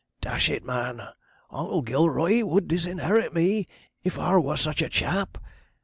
Dash it, man! Oncle Gilroy would disinherit me if ar was such a chap.